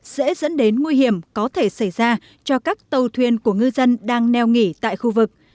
sẽ dẫn đến nguy hiểm có thể xảy ra cho các tàu thuyền của ngư dân đang neo nghỉ tại khu vực